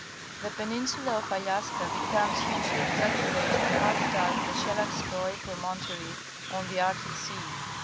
The peninsula of Aliaska becomes hugely exaggerated as does the Shelagskoi promontory on the Arctic Sea.